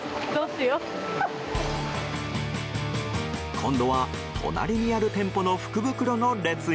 今度は隣にある店舗の福袋の列へ。